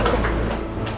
ek jimin gak naik diatch